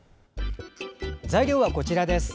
材料はこちらです。